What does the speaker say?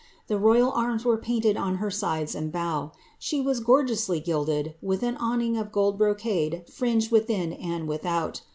The royal arms were painted on her sides and bow. She was gorgeously gilded, with an awning of gold brocade fringed within and without.